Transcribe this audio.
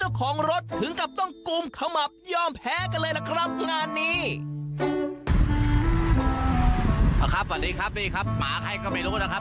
เอาครับสวัสดีครับนี่ครับหมาใครก็ไม่รู้นะครับ